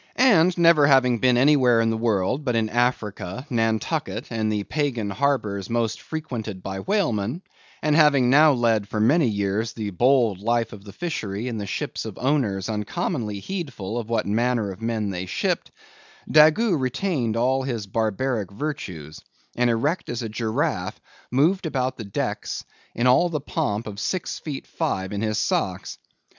And never having been anywhere in the world but in Africa, Nantucket, and the pagan harbors most frequented by whalemen; and having now led for many years the bold life of the fishery in the ships of owners uncommonly heedful of what manner of men they shipped; Daggoo retained all his barbaric virtues, and erect as a giraffe, moved about the decks in all the pomp of six feet five in his socks.